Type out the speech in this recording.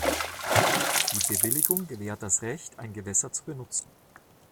Die Bewilligung gewährt das Recht, ein Gewässer zu benutzen.